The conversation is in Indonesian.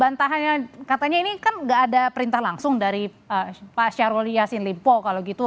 bantahannya katanya ini kan nggak ada perintah langsung dari pak syahrul yassin limpo kalau gitu